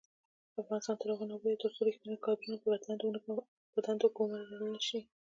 افغانستان تر هغو نه ابادیږي، ترڅو ریښتیني کادرونه په دندو وګمارل نشي.